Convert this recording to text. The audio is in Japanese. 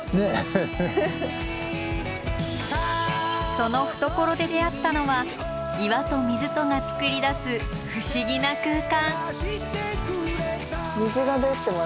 その懐で出会ったのは岩と水とがつくり出す不思議な空間。